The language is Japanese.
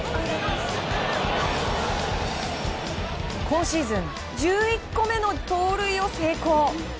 今シーズン１１個目の盗塁を成功。